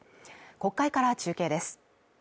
国会から中継です